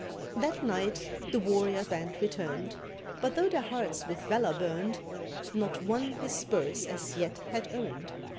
That night the warrior band returned, But though their hearts with valour burned, Not one his spurs as yet had earned.